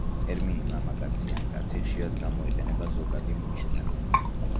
ტერმინი მამაკაცი ან კაცი ხშირად გამოიყენება ზოგადი მნიშვნელობით.